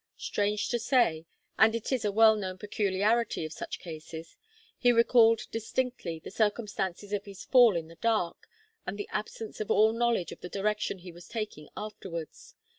Strange to say, and it is a well known peculiarity of such cases, he recalled distinctly the circumstances of his fall in the dark, and the absence of all knowledge of the direction he was taking afterwards.